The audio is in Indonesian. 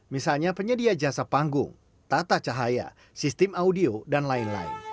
misalnya penyedia jasa panggung tata cahaya sistem audio dan lain lain